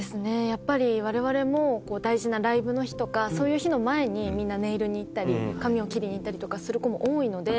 やっぱり我々も大事なライブの日とかそういう日の前にみんなネイルに行ったり髪を切りに行ったりとかする子も多いので。